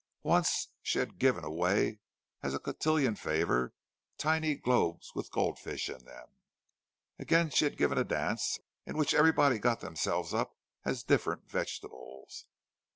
Once she had given away as cotillion favours tiny globes with goldfish in them; again she had given a dance at which everybody got themselves up as different vegetables.